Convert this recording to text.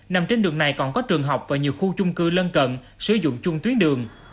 nằm trên đường này còn có trường học và nhiều khu chung cư lân cận sử dụng chung tuyến đường